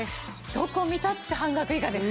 どこ見たって半額以下です。